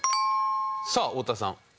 さあ太田さん。